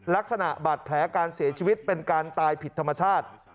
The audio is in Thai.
ลักษณะบาดแผลการเสียชีวิตเป็นการตายผิดธรรมชาติ